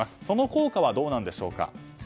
その効果はどうなんでしょうか。